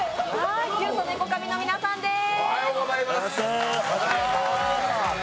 キュウソネコカミの皆さんです！